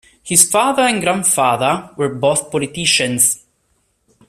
His father and grandfather were both politicians.